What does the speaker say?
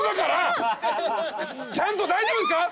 ちゃんと大丈夫ですか？